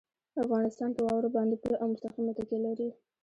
افغانستان په واوره باندې پوره او مستقیمه تکیه لري.